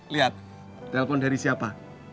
lihat telpon dari siapa